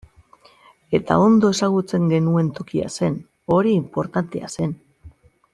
Eta ondo ezagutzen genuen tokia zen, hori inportantea zen.